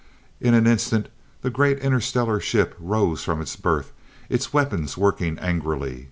In an instant the great interstellar ship rose from its berth, its weapons working angrily.